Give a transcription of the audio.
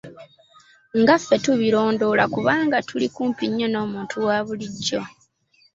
Nga ffe tubirondoola kubanga tuli kumpi nnyo n’omuntu wa bulijjo.